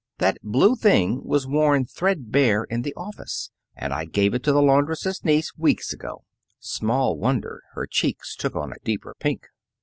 That blue thing was worn threadbare in the office, and I gave it to the laundress's niece weeks ago." Small wonder her cheeks took on a deeper pink.